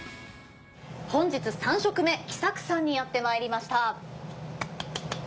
本日３食目『きさく』さんにやってまいりました。